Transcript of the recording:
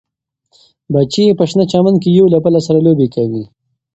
بچي یې په شنه چمن کې یو له بل سره لوبې کوي.